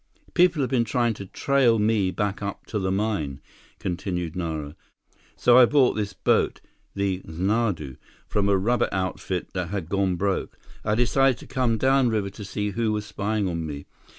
"People have been trying to trail me back up to the mine," continued Nara, "so I bought this boat, the Xanadu, from a rubber outfit that had gone broke. I decided to come downriver to see who was spying on me.